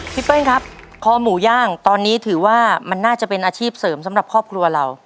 เปิ้ลครับคอหมูย่างตอนนี้ถือว่ามันน่าจะเป็นอาชีพเสริมสำหรับครอบครัวเรา